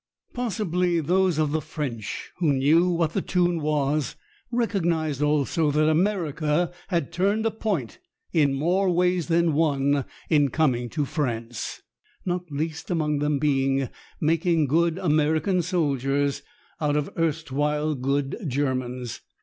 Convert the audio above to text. Possibly those of the French who knew what the tune was recognized also that America had turned a point in more ways than one in coming to France, not least among them being making good American soldiers out of erstwhile good Germans.